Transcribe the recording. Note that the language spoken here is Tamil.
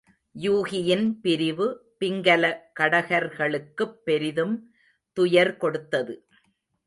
யூகியின் பிரிவு பிங்கல கடகர்களுக்குப் பெரிதும் துயர் கொடுத்தது.